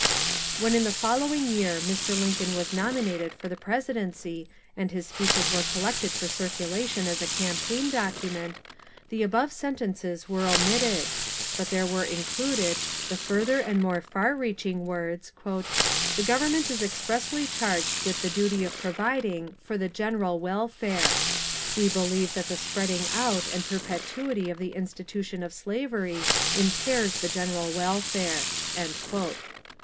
When in the following year Mr. Lincoln was nominated for the presidency and his speeches were collected for circu lation as a campaign document, the above sentences were omitted, but there were included the further and more far reaching words, ^^The government is expressly charged with the duty of providing < for the general welfare.' We believe that the spreading out and perpetuity of the institution of slavery impairs the general welfare."